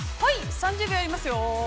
３０秒やりますよ。